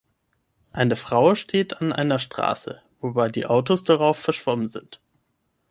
Eine Frau steht an einer Straße, wobei die Autos darauf verschwommen sind.